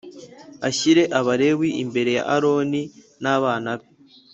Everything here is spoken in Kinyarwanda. Ushyire Abalewi imbere ya Aroni n’ abana be